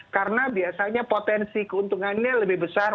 karena biasanya potensi keuntungannya lebih besar